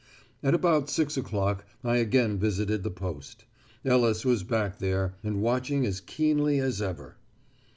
At about six o'clock I again visited the post. Ellis was back there, and watching as keenly as ever.